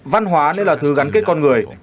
văn hóa nên là thứ gắn kết con người